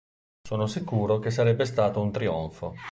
Sono sicuro che sarebbe stato un trionfo.